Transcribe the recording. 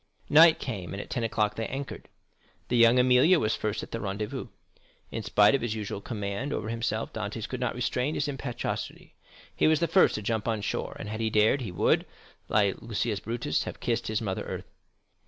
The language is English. Night came, and at ten o'clock they anchored. La Jeune Amélie was first at the rendezvous. In spite of his usual command over himself, Dantès could not restrain his impetuosity. He was the first to jump on shore; and had he dared, he would, like Lucius Brutus, have "kissed his mother earth."